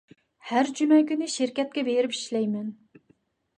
ھەر جۈمە كۈنى شىركەتكە بېرىپ ئىشلەيمەن.